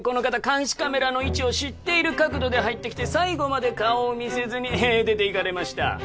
監視カメラの位置を知っている角度で入ってきて最後まで顔を見せずに出て行かれました